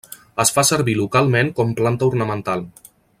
Es fa servir localment com planta ornamental.